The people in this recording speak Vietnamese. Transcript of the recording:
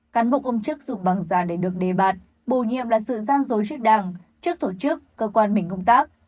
cán bộ công chức dụng bằng giả để được đề bạt bổ nhiệm là sự gian dối trước đảng trước tổ chức cơ quan mình công tác